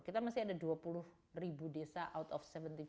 kita masih ada dua puluh ribu desa out of tujuh puluh